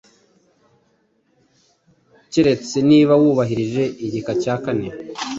keretse niba wubahirije igika cya kane